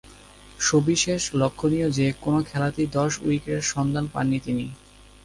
সবিশেষ লক্ষণীয় যে, কোন খেলাতেই দশ উইকেটের সন্ধান পাননি তিনি।